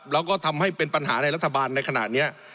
แล้วก็ทำให้เป็นปัญหาในรัฐบาลในขณะนี้